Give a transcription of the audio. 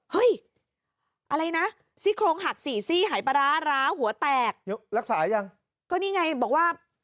เฮ้ยอะไรนะซิโครงหัก๔ซี่หายประระะร้าว